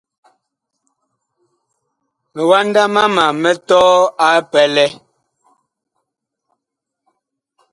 Miwanda mama mi tɔɔ a epɛlɛ.